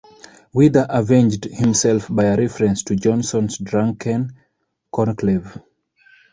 Wither avenged himself, by a reference to Jonson's drunken conclave.